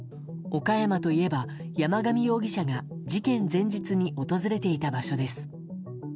岡山といえば、山上容疑者が事件前日に訪れていた場所です。